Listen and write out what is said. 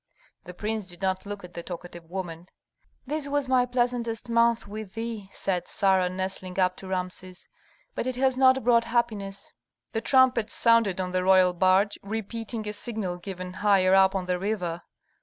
The prince did not look at the talkative woman. "This was my pleasantest month with thee," said Sarah, nestling up to Rameses, "but it has not brought happiness." The trumpets sounded on the royal barge, repeating a signal given higher up on the river.